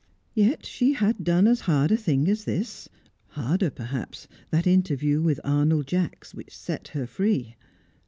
Yet she had done as hard a thing as this. Harder, perhaps, that interview with Arnold Jacks which set her free.